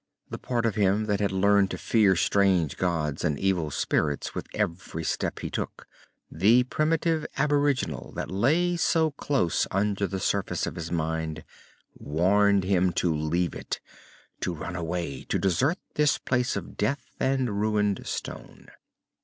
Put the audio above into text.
The part of him that had learned to fear strange gods and evil spirits with every step he took, the primitive aboriginal that lay so close under the surface of his mind, warned him to leave it, to run away, to desert this place of death and ruined stone.